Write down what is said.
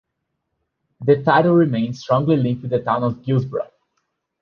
The title remains strongly linked with the town of Guisborough.